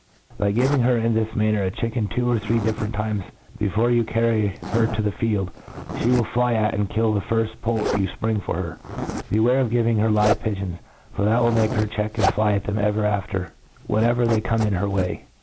By giving her m this manner a chicken two or three different times before you carry her to the field, fee will fly at, and kill the firfl: poult you fpring for her. Beware of giving her live pigeons, for that will make her check and fly at them ever after, when ever they come in her way.